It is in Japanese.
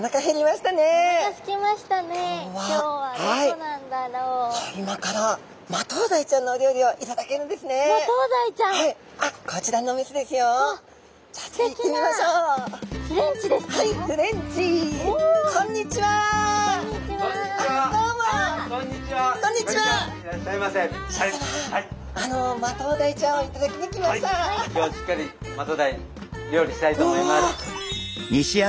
今日はしっかりマトウダイ料理したいと思います。